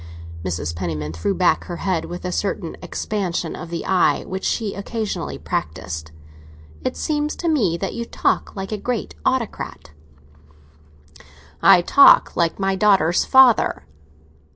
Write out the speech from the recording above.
Mrs. Penniman threw back her head, with a certain expansion of the eye which she occasionally practised. "It seems to me that you talk like a great autocrat." "I talk like my daughter's father."